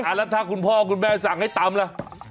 แล้วถ้าคุณพ่อคุณแม่สั่งให้ตำล่ะ